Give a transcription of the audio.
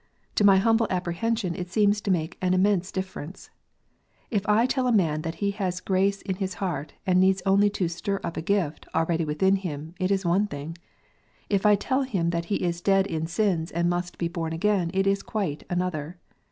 To my humble apprehension it seems to make an immense difference. If I tell a man that he has grace in his heart, and only needs to " stir up a gift," already within him, it is one thing. If I tell him that he is dead in sins, and must he " horn again," it is quite another.